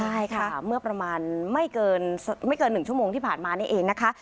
ใช่ค่ะเมื่อประมาณไม่เกิน๑ชั่วโมงที่ผ่านมานี่เองนะคะ